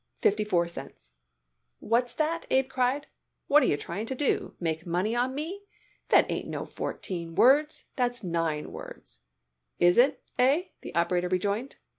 "Fifty four cents." "What's that?" Abe cried. "What yer trying to do? Make money on me? That ain't no fourteen words. That's nine words." "It is, hey?" the operator rejoined.